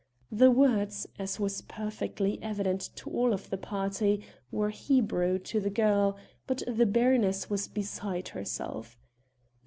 The words, as was perfectly evident to all the party, were Hebrew to the girl, but the baroness was beside herself.